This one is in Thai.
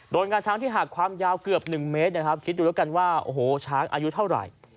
งาช้างที่หักความยาวเกือบ๑เมตรนะครับคิดดูแล้วกันว่าโอ้โหช้างอายุเท่าไหร่